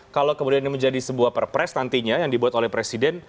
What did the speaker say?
kalau kemudian ini menjadi sebuah perpres nantinya yang dibuat oleh presiden